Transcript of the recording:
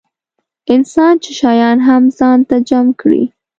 انسان چې شیان هم ځان ته جمع کړي.